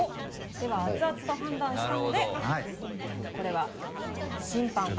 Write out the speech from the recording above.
では熱々と判断したのでこれは審判が。